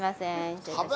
失礼致します。